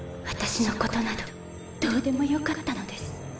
私のことなどどうでもよかったのです。